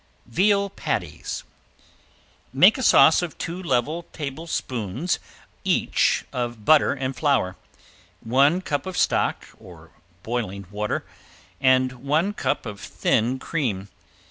~VEAL PATTIES~ Make a sauce of two level tablespoons each of butter and flour, one cup of stock or boiling water, and one cup of thin cream.